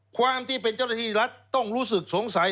ความที่เป็นเจ้าหน้าที่รัฐต้องรู้สึกสงสัย